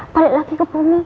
balik lagi ke bumi